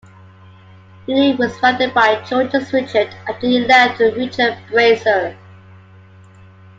Unic was founded by Georges Richard after he left Richard-Brasier.